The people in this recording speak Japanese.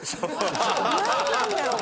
何なんだろう？